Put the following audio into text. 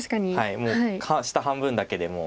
もう下半分だけで。